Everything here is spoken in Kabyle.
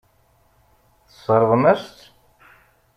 Tesseṛɣem-as-tt.